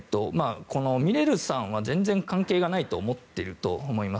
ミレルさんは全然関係がないと思っていると思います。